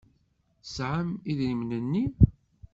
Tesɛam idrimen-nni?